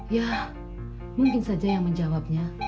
ya mungkin saja yang menjawabnya